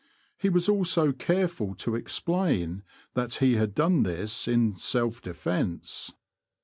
He was also careful to explain that he had done this in '' self defence."